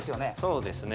そうですね